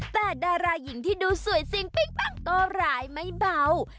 แต่ดาราหญิงที่ดูสวยซิงปิ้งปังก็ร้ายไม่เบา